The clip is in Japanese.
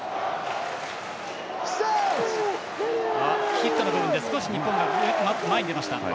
ヒットの部分で日本が少し前に出ました。